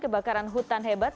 kebakaran hutan hebat